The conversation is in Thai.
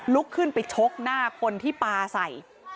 ลุกขึ้นไปชกหน้าคนที่ปลาใส่